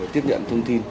tiếp nhận thông tin